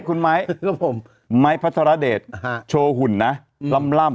คุณไมค์ไมค์พระศรเดชโชว์หุ่นน่ะล่ำ